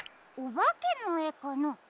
おばけのえかな？